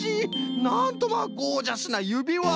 なんとまあゴージャスなゆびわ！